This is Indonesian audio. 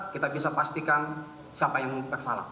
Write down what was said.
kita bisa pastikan siapa yang bersalah